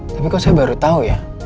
tapi kok saya baru tahu ya